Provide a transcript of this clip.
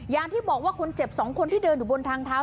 อย่างที่บอกว่าคนเจ็บ๒คนที่เดินอยู่บนทางเท้า